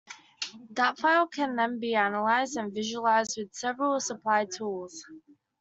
That file can then be analyzed or visualized with several supplied tools.